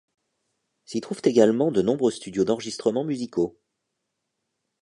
S'y trouvent également de nombreux studios d'enregistrement musicaux.